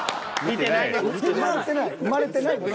生まれてないです。